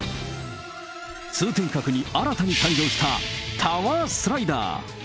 通天閣に新たに誕生した、タワースライダー。